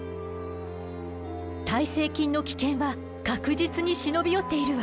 耐性菌の危険は確実に忍び寄っているわ。